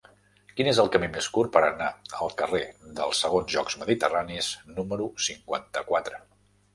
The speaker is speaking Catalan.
Quin és el camí més curt per anar al carrer dels Segons Jocs Mediterranis número cinquanta-quatre?